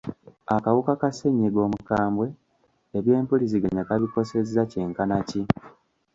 Akawuka ka ssenyiga omukambwe, ebyempuliziganya kabikosezza kyenkana ki?